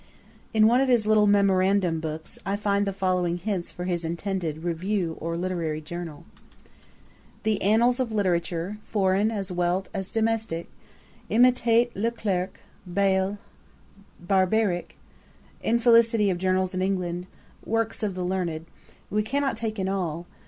] In one of his little memorandum books I find the following hints for his intended Review or Literary Journal: 'The Annals of Literature, foreign as welt as domestick. Imitate Le Clerk Bayle Barbeyrac. Infelicity of Journals in England. Works of the learned. We cannot take in all.